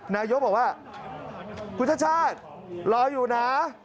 นายกรัฐมนตรีบอกว่าคุณชชาติรออยู่นะ